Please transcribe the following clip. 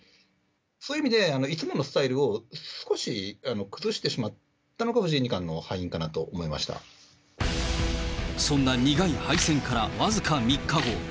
そういう意味で、いつものスタイルを少し崩してしまったのが藤井二冠の敗因かなとそんな苦い敗戦から僅か３日後。